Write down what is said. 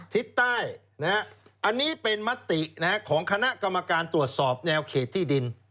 ทิศใต้อันนี้เป็นมติของคณะกรรมการตรวจสอบแนวเขตที่ดิน